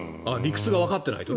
理屈がわかってないとね。